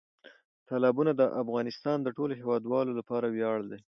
تالابونه د افغانستان د ټولو هیوادوالو لپاره ویاړ دی.